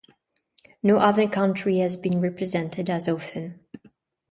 No other country has been represented as often.